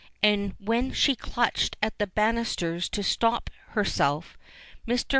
And when she clutched at the bannisters to stop herself, Mr. Fox MR.